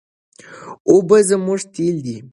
اوبه زموږ تېل دي.